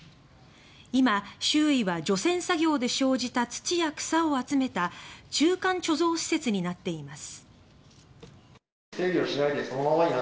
今、周囲は除染作業で生じた土や草を集めた中間貯蔵施設になっています。